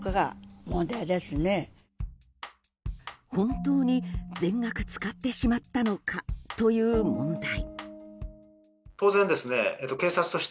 本当に全額使ってしまったのかという問題。